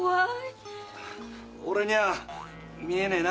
俺にゃあ見えねえな。